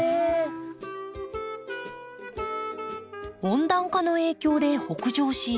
温暖化の影響で北上し